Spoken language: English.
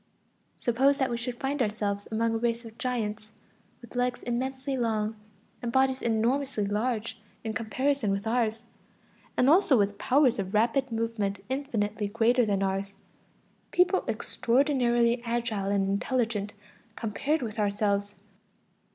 Suppose that we should find ourselves among a race of giants, with legs immensely long and bodies enormously large in comparison with ours, and also with powers of rapid movement infinitely greater than ours, people extraordinarily agile and intelligent compared with ourselves.